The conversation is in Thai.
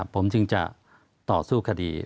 ผมจึงจะต่อสู้คดี